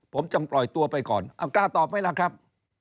ผมจึงปล่อยตัวไปก่อนเอากล้าตอบไหมล่ะครับ